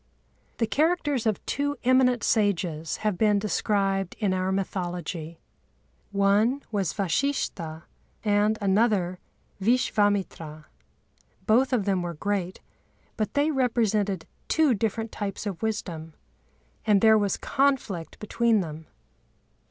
The characters of two eminent sages have been described in our mythology. One was Vashishtha and another Vishvâmitra. Both of them were great, but they represented two different types of wisdom; and there was conflict between them.